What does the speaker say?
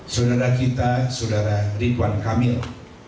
saudara kita saudara ridwan kamil